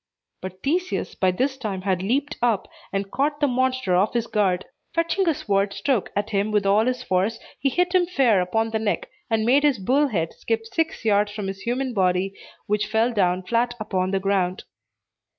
But Theseus by this time had leaped up, and caught the monster off his guard. Fetching a sword stroke at him with all his force, he hit him fair upon the neck, and made his bull head skip six yards from his human body, which fell down flat upon the ground.